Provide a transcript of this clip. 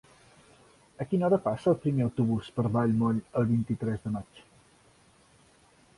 A quina hora passa el primer autobús per Vallmoll el vint-i-tres de maig?